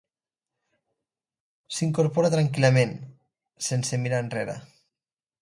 S'incorpora tranquil.lament, sense mirar enrere.